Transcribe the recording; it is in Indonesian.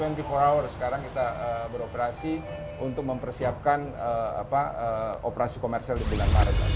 jadi dua puluh empat hour sekarang kita beroperasi untuk mempersiapkan operasi komersial di ngamangaraja